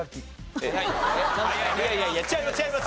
いやいやいや違います